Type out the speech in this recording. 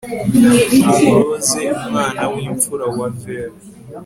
Primrose umwana wimfura wa Ver